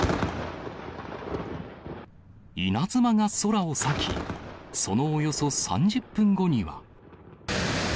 稲妻が空を裂き、そのおよそ３０分後には。